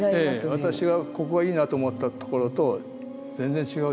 私がここがいいなと思ったところと全然違うでしょ。